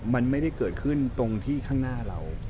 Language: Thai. มันไม่ได้เกิดขึ้นตรงที่ข้างหน้าเรา